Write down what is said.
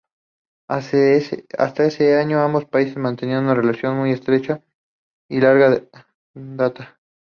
Hasta ese año, ambos países mantenían una relación muy estrecha y de larga data.